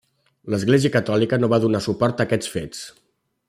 L'Església Catòlica no va donar suport a aquests fets.